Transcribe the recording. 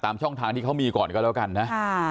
ช่องทางที่เขามีก่อนก็แล้วกันนะ